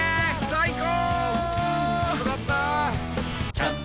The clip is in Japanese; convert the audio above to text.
最高！